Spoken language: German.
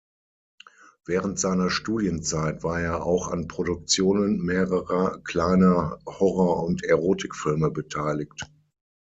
Während seiner Studienzeit war er auch an Produktionen mehrerer kleiner Horror- und Erotikfilme beteiligt.